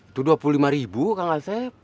itu dua puluh lima ribu kang asep